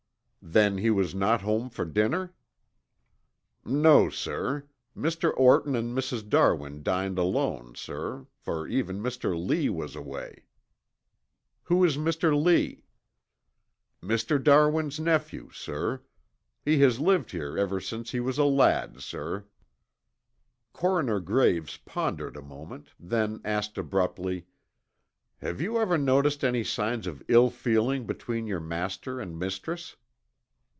"Then he was not home for dinner?" "No, sir. Mr. Orton and Mrs. Darwin dined alone, sir, for even Mr. Lee was away." "Who is Mr. Lee?" "Mr. Darwin's nephew, sir. He has lived here ever since he was a lad, sir." Coroner Graves pondered a moment, then asked abruptly, "Have you ever noticed any signs of ill feeling between your master and mistress?"